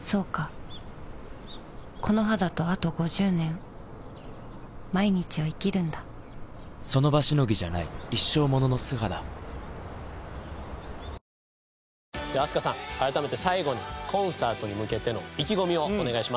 そうかこの肌とあと５０年その場しのぎじゃない一生ものの素肌では飛鳥さん改めて最後にコンサートに向けての意気込みをお願いします。